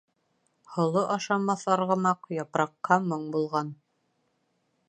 Һоло ашамаҫ арғымаҡ япраҡҡа моң булған.